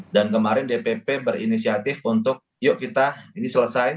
dan kemarin dpp berinisiatif untuk yuk kita ini selesai